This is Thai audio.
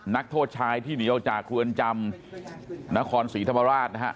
นักโทษชายที่หนีออกจากเรือนจำนครศรีธรรมราชนะฮะ